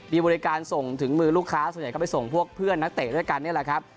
มีบริการส่งถึงมือลูกค้าส่วนใหญ่ก็ไปส่งพวกเพื่อนนักเตะด้วยกันนี่แหละครับ